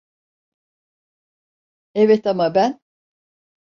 Evet, ama ben…